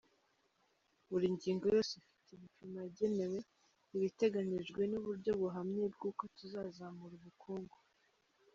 Buri ngingo yose ifite ibipimo yagenewe, ibiteganyijwe, n’uburyo buhamye bw’uko tuzazamura ubukungu.